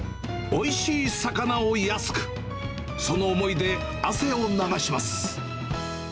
おいしい魚を安く、その思いで、汗を流します。